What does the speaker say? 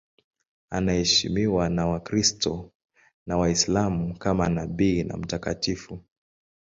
Anaheshimiwa na Wakristo na Waislamu kama nabii na mtakatifu.